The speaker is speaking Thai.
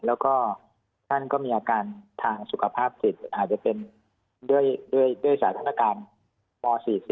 แล้วก็ท่านก็มีอาการทางสุขภาพจิตอาจจะเป็นด้วยสถานการณ์ป๔๔